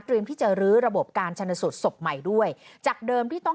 ที่จะรื้อระบบการชนสูตรศพใหม่ด้วยจากเดิมที่ต้อง